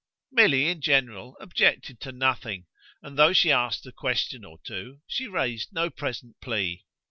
Milly in general objected to nothing, and though she asked a question or two she raised no present plea.